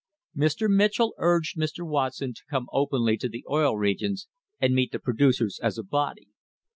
Mr. Mitchell urged Mr. Watson to come openly to the Oil Regions and meet the producers as a body.